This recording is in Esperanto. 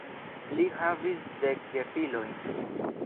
Li havis dek gefilojn.